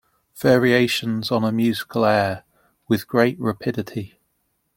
Variations on a musical air With great rapidity.